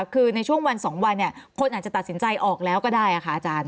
คือในช่วงวัน๒วันคนอาจจะตัดสินใจออกแล้วก็ได้ค่ะอาจารย์